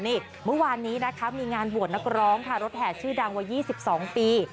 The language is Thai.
นี่เมื่อวานนี้นะคะมีงานบวชนักร้องค่ะรถแห่ชื่อดังวัย๒๒ปี